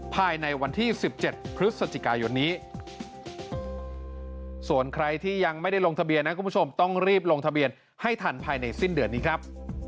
ภายในวันที่๑๗พฤศจิกายนนี้ส่วนใครที่ยังไม่ได้ลงทะเบียนนะคุณผู้ชมต้องรีบลงทะเบียนให้ทันภายในสิ้นเดือนนี้ครับ